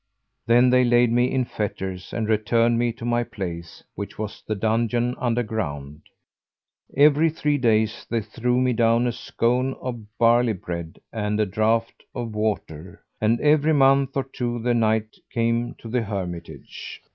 Then they laid me in fetters and returned me to my place which was the dungeon under ground. Every three days, they threw me down a scone of barley bread and a draught of water; and every month or two the Knight came to the hermitage.